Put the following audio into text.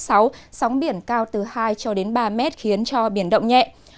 sóng biển cao từ hai cho đến ba mét khiến cho biển động nhẹ